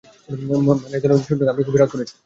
মানে, এই ধরণের অভিযোগ শুনে আমি খুবই রাগ করেছি!